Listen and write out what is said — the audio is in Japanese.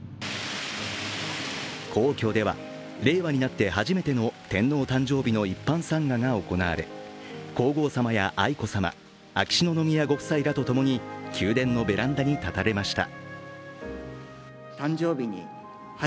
皇居では、令和になって初めての天皇誕生日の一般参賀が行われ皇后さまや愛子さま、秋篠宮ご夫妻らとともに宮殿のベランダに立たれました。